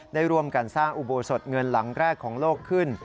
ได้ร่วมกันสร้างอุโบสถเงินหลังแรกของโลกขึ้น